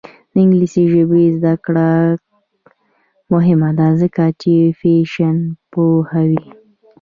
د انګلیسي ژبې زده کړه مهمه ده ځکه چې فیشن پوهوي.